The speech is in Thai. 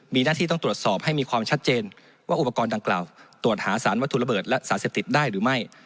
มีหน้าที่ต้องตรวจสอบให้มีความชัดเจนว่าอุปกรณ์ดังกล่าวตรวจหาสารวัตถุระเบิดและสารเสพติดได้หรือไม่